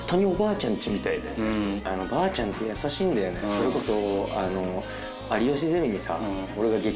それこそ。